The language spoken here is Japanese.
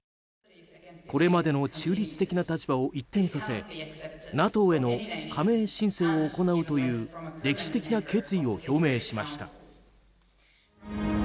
これまでの中立的な立場を一転させＮＡＴＯへの加盟申請を行うという歴史的な決意を表明しました。